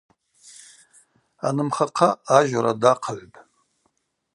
Анымхахъа ажьора дахъыгӏвпӏ.